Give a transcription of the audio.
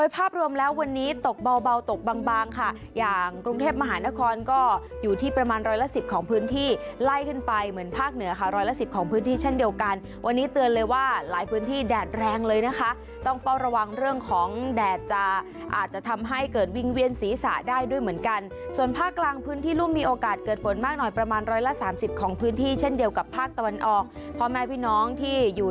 ไปเหมือนภาคเหนือค่ะร้อยละ๑๐ของพื้นที่เช่นเดียวกันวันนี้เตือนเลยว่าหลายพื้นที่แดดแรงเลยนะคะต้องเฝ้าระวังเรื่องของแดดจะอาจจะทำให้เกิดวิงเวียนศีรษะได้ด้วยเหมือนกันส่วนภาคกลางพื้นที่รุ่มมีโอกาสเกิดฝนมากหน่อยประมาณร้อยละ๓๐ของพื้นที่เช่นเดียวกับภาคตะวันออกพอแม้พี่น้องที่อยู่